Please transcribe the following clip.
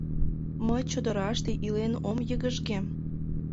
— Мый чодыраште илен ом йыгыжге...